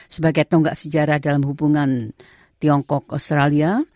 sebagai tonggak sejarah dalam hubungan tiongkok australia